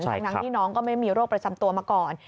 ทั้งที่น้องก็ไม่มีโรคประจำตัวมาก่อน